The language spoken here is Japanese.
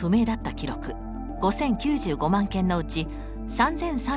記録５，０９５万件のうち３，３５９万